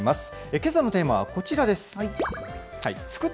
けさのテーマはこちらです。